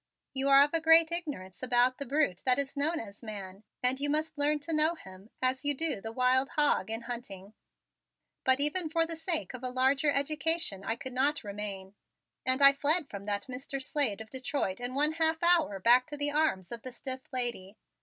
You are of a great ignorance about the brute that is known as man and you must learn to know him as you do the wild hog in hunting." But even for the sake of a larger education I could not remain, and I fled from that Mr. Slade of Detroit in one half hour back to the arms of the stiff lady.